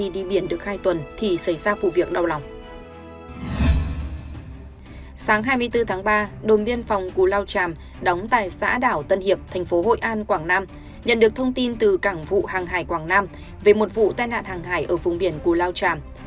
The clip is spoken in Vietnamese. được biết anh t mới vào thị xã